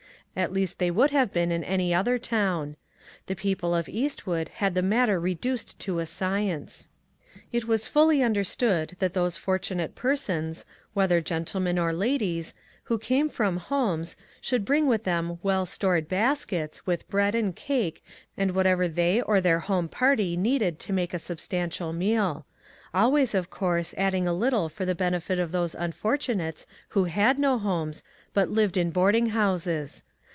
At least they would have been in any other town. The people of Eastwood had the matter reduced to a science. It was fully understood that those fortunate persons, whether gentlemen or ladies, who came from homes, should bring with them well stored baskets, with bread, and cake, and whatever they or 78 ONE COMMONPLACE DAY. their home party needed to make a sub stantial meal ; always, of course, adding a. little for the benefit of those unfortunates who had no homes, but lived in boarding houses.